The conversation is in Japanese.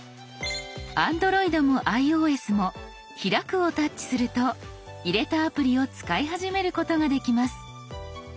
ＡｎｄｒｏｉｄもｉＯＳも「開く」をタッチすると入れたアプリを使い始めることができます。